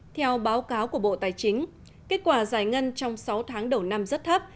theo báo cáo của bộ tài chính kết quả giải ngân trong sáu tháng đầu năm rất thấp